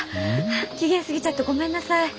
期限過ぎちゃってごめんなさい。